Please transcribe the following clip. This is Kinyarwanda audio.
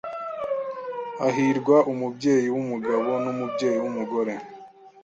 Hahirwa umubyeyi w’umugabo n’umubyeyi w’umugore